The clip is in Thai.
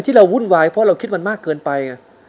วุ่นวายเพราะเราคิดมันมากเกินไปไง